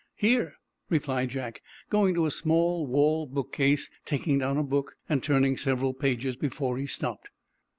"Here," replied Jack, going to a small wall book case, taking down a book and turning several pages before he stopped.